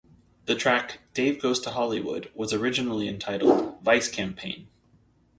The track "Dave Goes to Hollywood" was originally entitled "Vice Campaign".